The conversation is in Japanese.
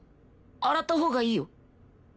洗ったほうがいいよ。